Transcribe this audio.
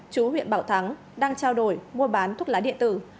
chú huyện bảo thắng đang trao đổi mua bán thuốc lá điện tử